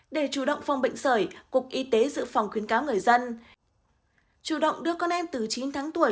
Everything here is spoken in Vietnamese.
để chủ động phòng bệnh sởi cục y tế dự phòng khuyến cáo người dân chủ động đưa con em từ chín tháng tuổi